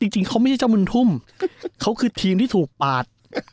จริงเขาไม่ใช่เจ้ามึนทุ่มเขาคือทีมที่ถูกปาด